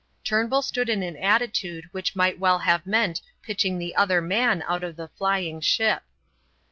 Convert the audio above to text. Turnbull stood in an attitude which might well have meant pitching the other man out of the flying ship.